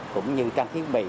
cũng như trang thiết bị